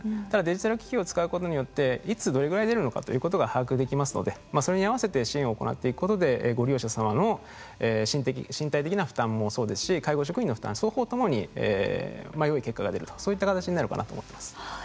ただデジタル機器を使うことによっていつどれぐらい出るのかということが把握できますのでそれに合わせて支援を行っていくことでご利用者様の身体的な負担もそうですし介護職員の負担双方ともによい結果が出るとそういった形になるかなと思ってます。